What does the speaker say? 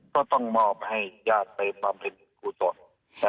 ก็ต้องมอบให้ญาติไปความเห็นความสุข